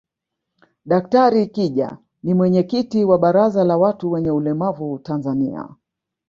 Daktari kija ni mwenyekiti wa baraza la watu wenye ulemavu Tanzania